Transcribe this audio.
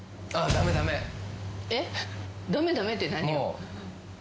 「ダメダメ」って何よ。